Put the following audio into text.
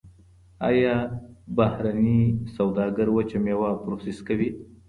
ایا بهرني سوداګر وچه میوه پروسس کوي؟